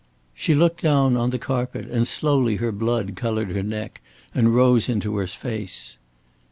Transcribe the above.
She looked down on the carpet and slowly her blood colored her neck and rose into her face.